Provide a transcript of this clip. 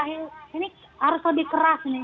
ini harus lebih keras